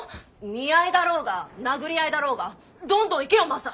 見合いだろうが殴り合いだろうがどんどん行けよマサ。